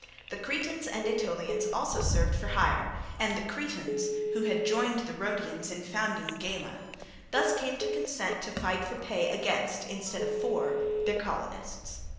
The Cretans and Aetolians also served for hire, and the Cretans who had joined the Rhodians in founding Gela, thus came to consent to fight for pay against, instead of for, their colonists.